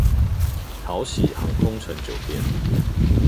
桃禧航空城酒店